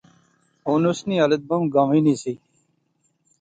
ہن اس نی حالت بہوں گنوی نی سی